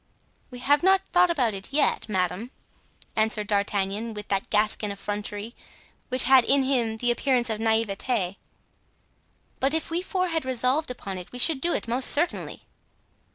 "We have not thought about it yet, madame," answered D'Artagnan, with that Gascon effrontery which had in him the appearance of naivete; "but if we four had resolved upon it we should do it most certainly."